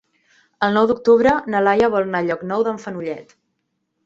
El nou d'octubre na Laia vol anar a Llocnou d'en Fenollet.